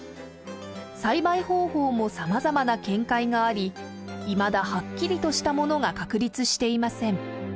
栽培方法も様々な見解がありいまだはっきりとしたものが確立していません。